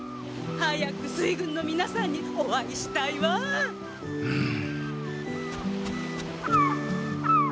早く水軍のみなさんにお会いしたいわ。ん。